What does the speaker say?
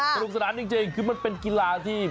กรุงสถานที่จริงคือมันเป็นกีฬาที่